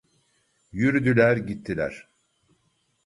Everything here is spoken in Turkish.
Yürüdüler gittiler...